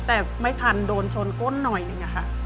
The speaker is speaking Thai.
แต่ไม่ทันโดนชนก้นหน่อยหนึ่งอะค่ะ